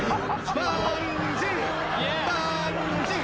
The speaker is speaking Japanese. バンジー！